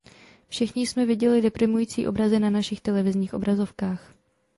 Všichni jsme viděli deprimující obrazy na našich televizních obrazovkách.